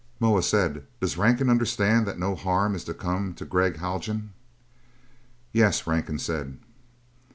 Moa said, "Does Rankin understand that no harm is to come to Gregg Haljan?" "Yes," Rankin said.